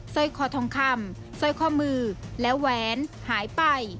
สร้อยคอทองคำสร้อยข้อมือและแหวนหายไป